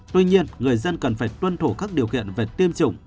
tuy nhiên người dân cần phải tuân thủ các điều kiện về tiêm chủng